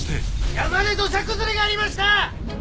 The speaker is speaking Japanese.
「山で土砂崩れがありました！」